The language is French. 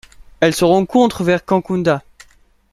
Elle se rencontre vers Kankunda.